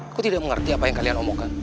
aku tidak mengerti apa yang kalian omongkan